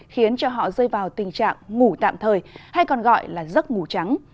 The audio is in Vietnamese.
khiến cho họ rơi vào tình trạng ngủ tạm thời hay còn gọi là giấc ngủ trắng